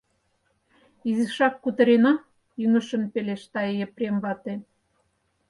— Изишак кутырена, — ӱҥышын пелешта Епрем вате.